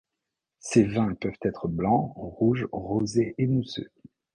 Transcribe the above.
Ses vins peuvent être blanc, rouge, rosé et mousseux.